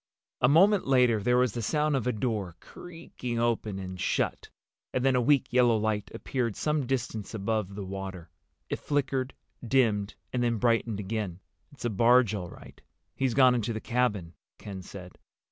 A moment later there was the sound of a door creaking open and shut, and then a weak yellow light appeared some distance above the water. It flickered, dimmed, and then brightened again. "It's a barge all right. He's gone into the cabin," Ken said.